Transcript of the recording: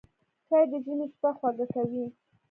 چای د ژمي شپه خوږه کوي